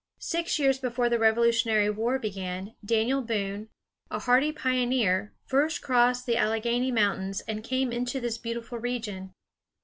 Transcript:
Six years before the Revolutionary War began, Daniel Boone, a hardy pioneer, first crossed the Alleghany Mountains and came into this beautiful region.